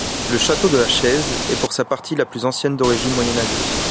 Le château de La Chèze est pour sa partie la plus ancienne d'origine Moyenâgeuse.